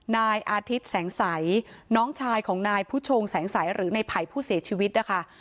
นายอาทิตย์แสงสัยน้องชายของนายผู้ชงแสงสัยหรือในไผ่ผู้เสียชีวิตนะคะ